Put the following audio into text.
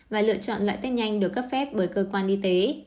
và lựa chọn loại test nhanh được cấp phép bởi cơ quan y tế